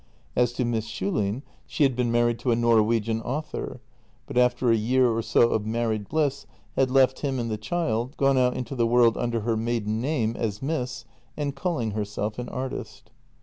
As to Miss Schulin, she had been married to a Norwegian author, but after a year or so of married bliss had left him and the child, gone out into the world under her maiden name as " Miss," and calling herself an artist.